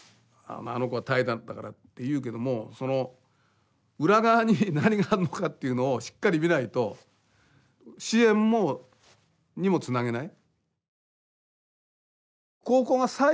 「あの子は怠惰だから」って言うけどもその裏側に何があんのかっていうのをしっかり見ないと支援にもつなげない。